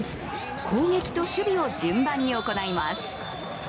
攻撃と守備を順番に行います。